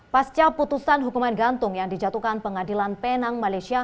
pasca putusan hukuman gantung yang dijatuhkan pengadilan penang malaysia